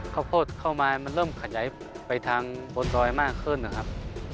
ข้าวโพดเข้ามามันเริ่มขยายไปทางบนดอยมากขึ้นนะครับ